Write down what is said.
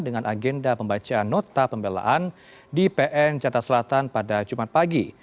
dengan agenda pembacaan nota pembelaan di pn jatah selatan pada jumat pagi